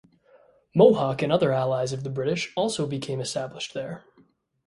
Mohawk and other allies of the British also became established there.